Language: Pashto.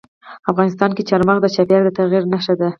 افغانستان کې چار مغز د چاپېریال د تغیر نښه ده.